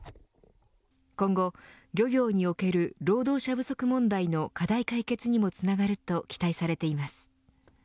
今後、漁業における労働者不足問題の課題解決にもつながると期待されています。